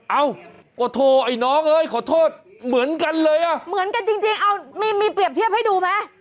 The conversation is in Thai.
เอ้าก็โทรไอ้น้องเอ้ยขอโทษเหมือนกันเลยอ่ะเหมือนกันจริงจริงเอามีมีเปรียบเทียบให้ดูไหม